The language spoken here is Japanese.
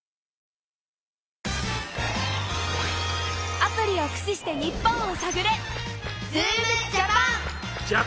アプリをく使して日本をさぐれ！